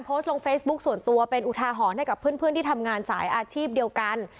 โพสต์ลงเฟซบุ๊คส่วนตัวเป็นอุทาหรณ์ให้กับเพื่อนที่ทำงานสายอาชีพเดียวกัน